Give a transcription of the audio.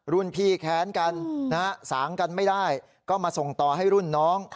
รุ่นพี่แค้นกันนะฮะสางกันไม่ได้ก็มาส่งต่อให้รุ่นน้อง